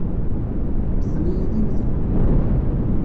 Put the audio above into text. Ṭṭfen-iyi din din.